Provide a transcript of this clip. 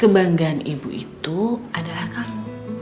kebanggaan ibu itu adalah kamu